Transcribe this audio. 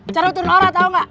caru turun orang tau gak